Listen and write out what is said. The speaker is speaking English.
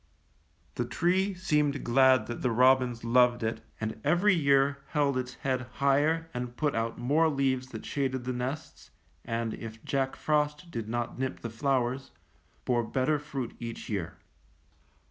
The tree seemed glad that the robins loved it, and every year held its head higher and put out more leaves that shaded the nests, and, if Jack Frost did not nip the flowers, bore better fruit each year.